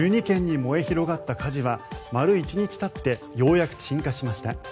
１２軒に燃え広がった火事は丸１日たってようやく鎮火しました。